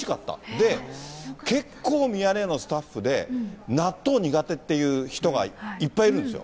で、結構、ミヤネ屋のスタッフで納豆苦手っていう人がいっぱいいるんですよ。